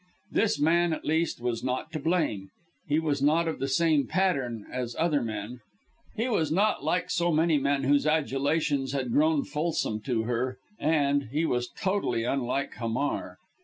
This man at least was not to blame he was not of the same pattern as other men, he was not like so many men whose adulations had grown fulsome to her, and he was totally unlike Hamar.